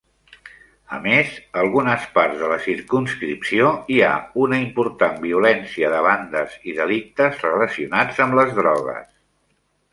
A més, algunes parts de la circumscripció hi ha una important violència de bandes i delictes relacionats amb les drogues.